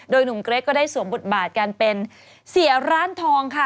โดยหนุ่มเกรกก็ได้สวมบทบาทการเป็นเสียร้านทอง